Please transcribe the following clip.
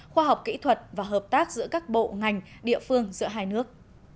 khoa học kỹ thuật và hợp tác giữa các bộ ngành địa phương giữa hai nước